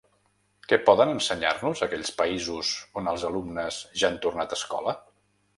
Què poden ensenyar-nos aquells països on els alumnes ja han tornat a escola?